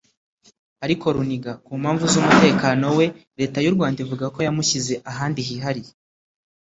ariko Runiga ku mpamvu z’umutekano we Leta y’u Rwanda ivuga ko yamushyize ahandi hihariye